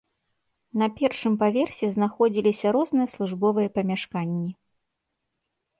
На першым паверсе знаходзіліся розныя службовыя памяшканні.